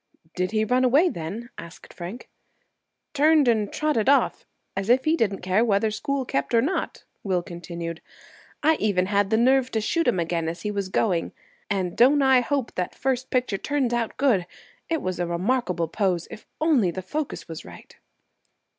"Did he run away then?" asked Frank. "Turned and trotted off, as if he didn't care whether school kept or not," Will continued. "I even had the nerve to shoot him again as he was going. And don't I hope that first picture turns out good! It was a remarkable pose, if only the focus was right."